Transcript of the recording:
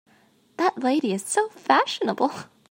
That lady is so fashionable!